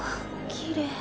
きれい。